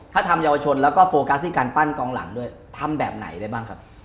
ถ้าทำเยาวชนแล้วก็โฟกัสที่การปั้นกองหลังด้วยทำแบบไหนได้บ้างครับ